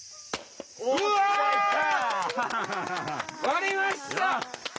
割りました！